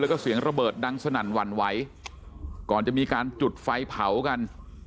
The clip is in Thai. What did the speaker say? แล้วก็เสียงระเบิดดังสนั่นหวั่นไหวก่อนจะมีการจุดไฟเผากัน